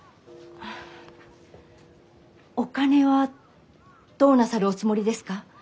あお金はどうなさるおつもりですか？